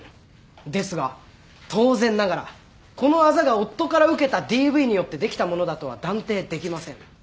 ですが当然ながらこのあざが夫から受けたＤＶによってできたものだとは断定できません。